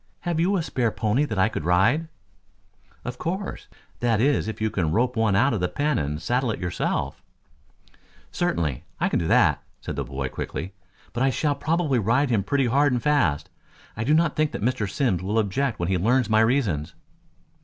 Have you a spare pony that I could ride!" "Of course. That is if you can rope one out of the pen and saddle it yourself." "Certainly. I can do that," said the boy quickly. "But I shall probably ride him pretty hard and fast. I do not think Mr. Simms will object when he learns my reasons."